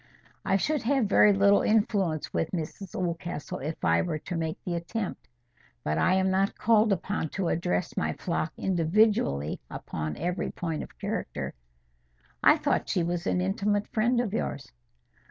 "I should have very little influence with Mrs Oldcastle if I were to make the attempt. But I am not called upon to address my flock individually upon every point of character." "I thought she was an intimate friend of yours."